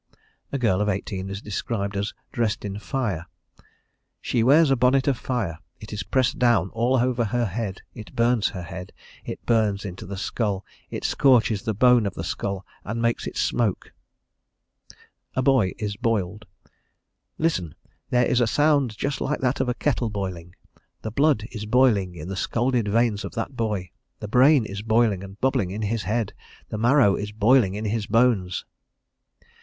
A girl of eighteen is described as dressed in fire; "she wears a bonnet of fire. It is pressed down all over her head; it burns her head; it burns into the skull; it scorches the bone of the skull and makes it smoke." A boy is boiled: "Listen! there is a sound just like that of a kettle boiling.... The blood is boiling in the scalded veins of that boy. The brain is boiling and bubbling in his head. The marrow is boiling in his bones."